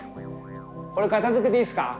これ片づけていいすか？